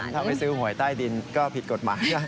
ถ้าไปซื้อหวยใต้ดินก็ผิดกฎหมาย